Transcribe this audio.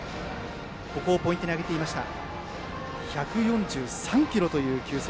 ここをポイントに挙げていました。